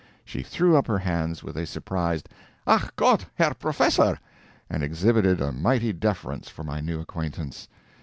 She threw up her hands with a surprised "ACH GOTT, HERR PROFESSOR!" and exhibited a mighty deference for my new acquaintance.